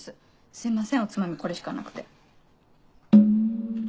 すいませんおつまみこれしかなくて。